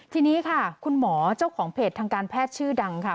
ทีนี้ค่ะคุณหมอเจ้าของเพจทางการแพทย์ชื่อดังค่ะ